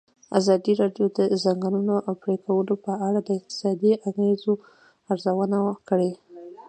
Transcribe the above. ازادي راډیو د د ځنګلونو پرېکول په اړه د اقتصادي اغېزو ارزونه کړې.